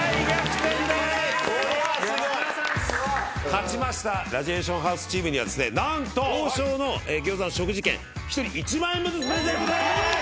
勝ちましたラジエーションハウスチームにはですね何と王将の食事券一人１万円分ずつプレゼントです！